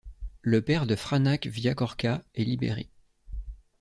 Le père de Franak Viacorka est libéré.